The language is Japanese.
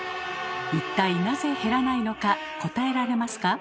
一体なぜ減らないのか答えられますか？